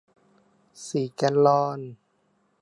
สี่แกลลอน